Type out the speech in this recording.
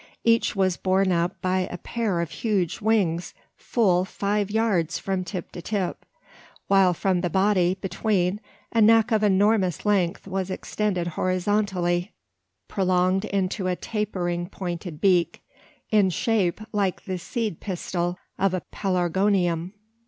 Each was borne up by a pair of huge wings full five yards from tip to tip; while from the body, between, a neck of enormous length was extended horizontally prolonged into a tapering pointed beak, in shape like the seed pistil of a pelargonium.